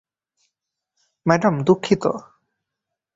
Madam, দুঃখিত।